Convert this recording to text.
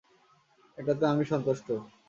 এটাতে আমি সন্তুষ্ট।